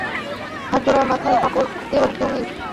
হাত জোড়া, মাথায় কাপড় দেবার জো নেই।